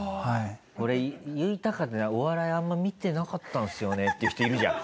俺言いたかった「お笑いあんま見てなかったんすよね」っていう人いるじゃん。